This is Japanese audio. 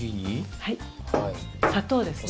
はい砂糖ですね。